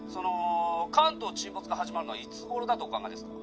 関東沈没が始まるのはいつ頃だとお考えですか？